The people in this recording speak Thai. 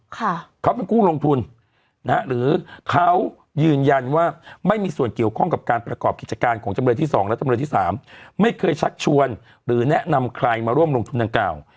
ค่ะเขาเป็นผู้ลงทุนนะฮะหรือเขายืนยันว่าไม่มีส่วนเกี่ยวข้องกับการประกอบกิจการของจำเลยที่สองและจำเลยที่สามไม่เคยชักชวนหรือแนะนำใครมาร่วมลงทุนดังกล่าว